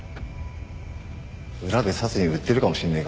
裏でサツに売ってるかもしんねえからな。